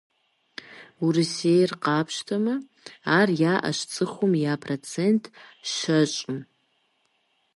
Урысейр къапщтэмэ, ар яӏэщ цӏыхум я процент щэщӏым.